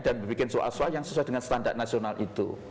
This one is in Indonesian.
dan membuat soal soal yang sesuai dengan standar nasional itu